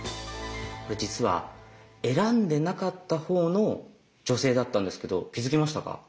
これ実は選んでなかったほうの女性だったんですけど気付きましたか？